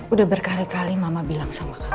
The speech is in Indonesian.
udah berkali kali mama bilang sama kamu